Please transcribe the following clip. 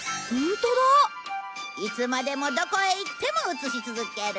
いつまでもどこへ行っても映し続ける。